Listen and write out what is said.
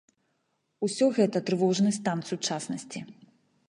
Усё гэта трывожны стан сучаснасці.